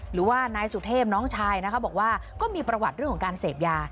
หรือว่านายสุเทพน้องชายนะคะบอกว่าก็มีประวัติเรื่องของการเสพยา